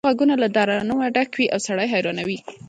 دا غږونه له ترنمه ډک وي او سړی حیرانوي